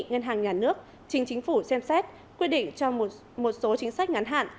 ngân hàng nhà nước chính chính phủ xem xét quyết định cho một số chính sách ngắn hạn